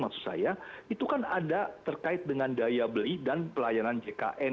maksud saya itu kan ada terkait dengan daya beli dan pelayanan jkn